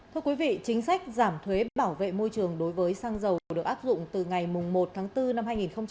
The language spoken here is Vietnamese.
thưa quý vị chính sách giảm thuế bảo vệ môi trường đối với xăng dầu được áp dụng từ ngày một tháng bốn năm hai nghìn hai mươi